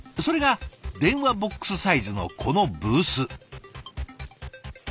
それが電話ボックスサイズのこのブース。